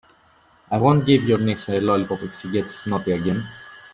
I won't give your niece a lollipop if she gets naughty again.